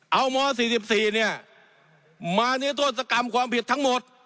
เอาม๔๔เนี่ยมานิทธศกรรมความผิดทั้งหมด